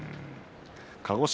鹿児島